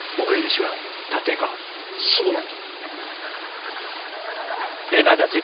死神。